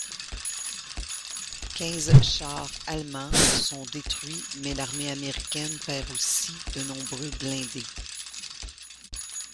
Quinze chars allemands sont détruits mais l'armée américaine perd aussi de nombreux blindés.